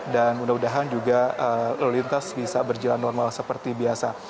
dan mudah mudahan juga lalu lintas bisa berjalan normal seperti biasa